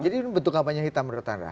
jadi bentuk kapalnya hitam menurut anda